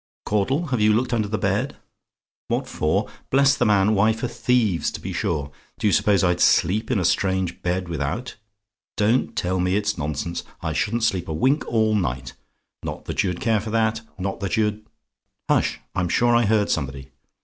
"Caudle, have you looked under the bed? "WHAT FOR? "Bless the man! Why, for thieves, to be sure. Do you suppose I'd sleep in a strange bed without? Don't tell me it's nonsense! I shouldn't sleep a wink all night. Not that you'd care for that; not that you'd hush! I'm sure I heard somebody.